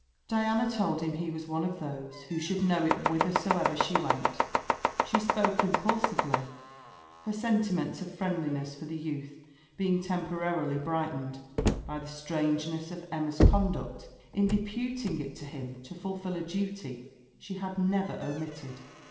Diana told him he was one of those who should know it whithersoever she went. She spoke impulsively, her sentiments of friendliness for the youth being temporarily brightened by the strangeness of Emma's conduct in deputing it to him to fulfil a duty she had never omitted.